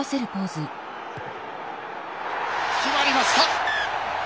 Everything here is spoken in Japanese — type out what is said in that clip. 決まりました！